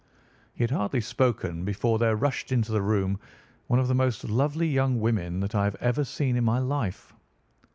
He had hardly spoken before there rushed into the room one of the most lovely young women that I have ever seen in my life.